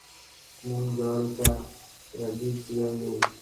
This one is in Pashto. مونږ جارو ته رېبز يايو